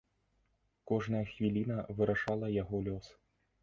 Кожная хвіліна вырашала яго лёс.